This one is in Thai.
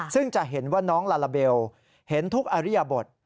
ซึ่งจะเห็นว่าน้องลาลาเบลเห็นทุกอริยบท